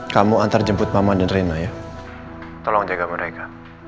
kamu antar jemput mama darinya ya tolong jaga mereka